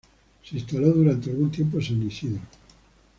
Se instaló durante algún tiempo en San Isidro.